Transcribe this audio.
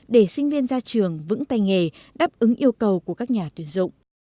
để sinh viên ra trường vững tay nghề đáp ứng yêu cầu của các nhà tuyển dụng